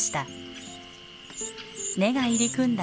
根が入り組んだ